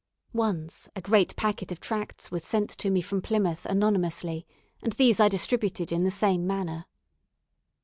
Once, a great packet of tracts was sent to me from Plymouth anonymously, and these I distributed in the same manner.